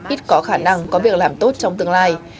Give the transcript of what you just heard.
ít có khả năng có việc làm tốt trong tương lai